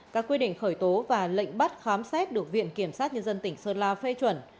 các quy định khởi tố và lệnh bắt khám xét được viện kiểm sát nhân dân tỉnh sơn la phê chuẩn